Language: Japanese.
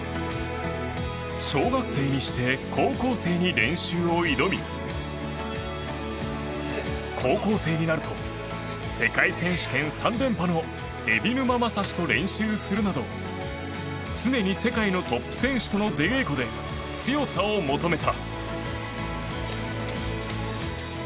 小学生にして高校生に練習を挑み高校生になると世界選手権３連覇の海老沼匡と練習するなど、常に世界のトップ選手との出稽古で強さを求めた。